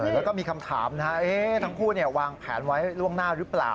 แล้วก็มีคำถามทั้งคู่วางแผนไว้ล่วงหน้าหรือเปล่า